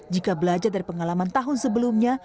jika belajar dari pengalaman tahun sebelumnya